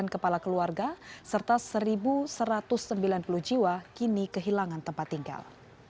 dua ratus delapan puluh sembilan kepala keluarga serta satu satu ratus sembilan puluh jiwa kini kehilangan tempat tinggal